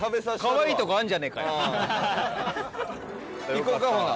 行こかほな。